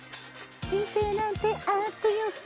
「人生なんてあっという間」